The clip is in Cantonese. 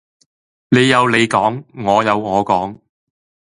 你有你講，我有我講